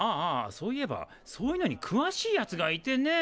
そういえばそういうのにくわしいやつがいてね。